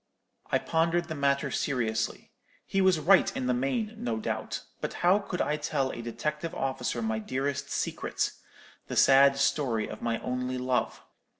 I pondered the matter seriously. He was right in the main, no doubt; but how could I tell a detective officer my dearest secret—the sad story of my only love?